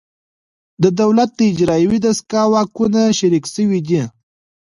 د دولت د اجرایوي دستگاه واکونه شریک شوي دي